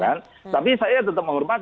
atas putusan tersebut